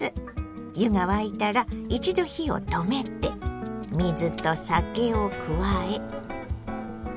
湯が沸いたら一度火を止めて水と酒を加えかき混ぜます。